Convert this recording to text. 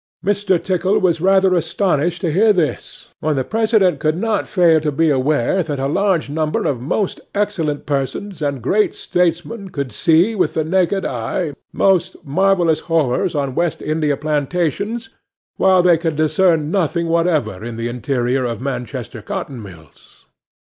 'MR. TICKLE was rather astonished to hear this, when the President could not fail to be aware that a large number of most excellent persons and great statesmen could see, with the naked eye, most marvellous horrors on West India plantations, while they could discern nothing whatever in the interior of Manchester cotton mills.